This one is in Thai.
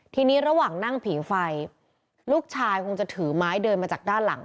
ทีนี้ระหว่างนั่งผีไฟลูกชายคงจะถือไม้เดินมาจากด้านหลัง